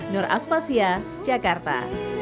nur aspasya jakarta